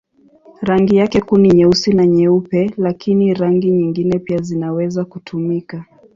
Rangi yake kuu ni nyeusi na nyeupe, lakini rangi nyingine pia zinaweza kutumika.